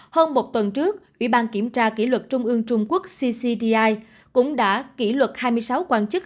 hơn một tuần trước ủy ban kiểm tra kỷ luật trung ương trung quốc ccdi cũng đã kỷ luật hai mươi sáu quan chức